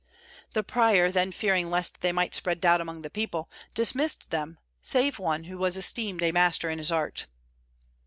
The prior then fearing lest they might spread doubt among the people, dismissed them, save one who was esteemed a master in his art.